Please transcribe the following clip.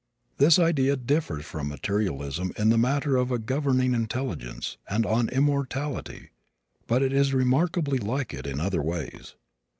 This idea differs from materialism in the matter of a governing intelligence and on immortality but it is remarkably like it in other ways.